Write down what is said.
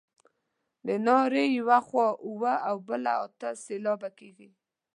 د نارې یوه خوا اووه او بله اته سېلابه کیږي.